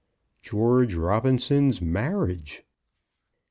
GEORGE ROBINSON'S MARRIAGE.